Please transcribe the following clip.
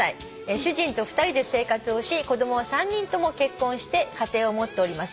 主人と２人で生活をし子供は３人とも結婚して家庭を持っております」